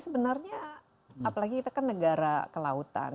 sebenarnya apalagi kita kan negara kelautan